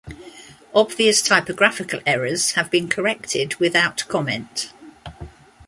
Obvious typographical errors have been corrected without comment.